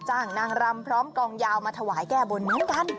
นางรำพร้อมกองยาวมาถวายแก้บนเหมือนกัน